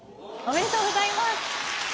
おめでとうございます。